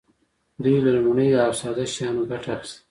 دوی له لومړنیو او ساده شیانو ګټه اخیسته.